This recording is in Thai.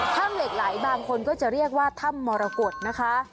ถ้ำเหล็กไหลบางคนก็จะเรียกว่าถ้ำมรกฏนะคะ